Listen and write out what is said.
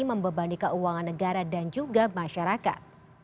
membebani keuangan negara dan juga masyarakat